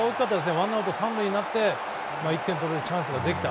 ワンアウト３塁になって１点取れるチャンスができた。